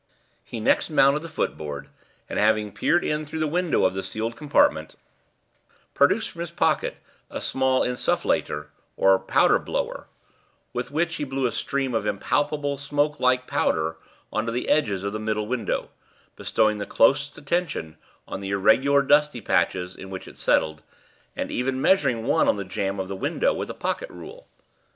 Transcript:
He next mounted the footboard, and, having peered in through the window of the sealed compartment, produced from his pocket a small insufflator or powder blower, with which he blew a stream of impalpable smoke like powder on to the edges of the middle window, bestowing the closest attention on the irregular dusty patches in which it settled, and even measuring one on the jamb of the window with a pocket rule.